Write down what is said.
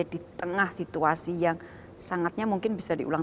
di tengah situasi yang sangatnya mungkin bisa diulang